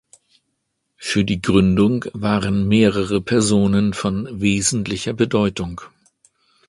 Für die Gründung waren mehrere Personen von wesentlicher Bedeutung.